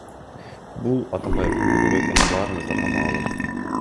Бул Атамбаевдин буйругу экени баарыңыздарга маалым .